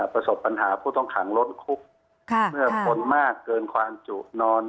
ประสบปัญหาผู้ต้องขังล้นคุกเมื่อคนมากเกินความจุนอน